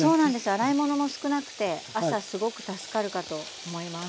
洗い物も少なくて朝すごく助かるかと思います。